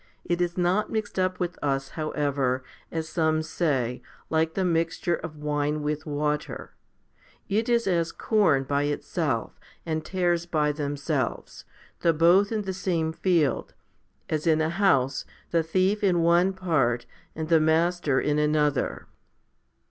It is not mixed up with us, however, as some say, like the mixture of wine with water ; it is as corn by itself and tares by themselves, though both in the same field ; as in a house, the thief in one part, and the master in another.